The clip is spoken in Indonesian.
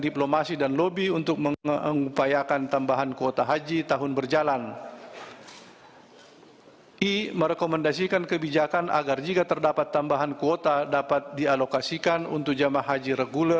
dan bpih sebanyak delapan orang